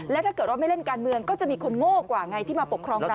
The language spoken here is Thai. แล้วถ้าเกิดว่าไม่เล่นการเมืองก็จะมีคนโง่กว่าไงที่มาปกครองเรา